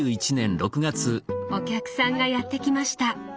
お客さんがやって来ました。